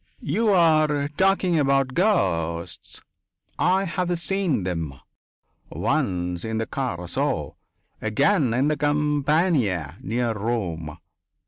"You are talking about ghosts. I have seen them. Once in the Carso. Again on the campagna near Rome.